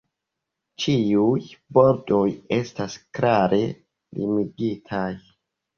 Ĉiuj bordoj estas klare limigitaj.